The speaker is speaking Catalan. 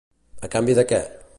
A canvi de què?